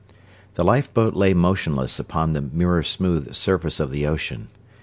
The lifeboat lay motionless upon the mirror smooth surface of the ocean.